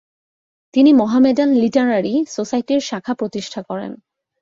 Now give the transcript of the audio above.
তিনি Mohammedan literary সোসাইটির শাখা প্রতিষ্ঠা করেন।